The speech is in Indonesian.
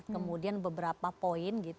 kemudian beberapa poin